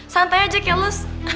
santai aja kayak lo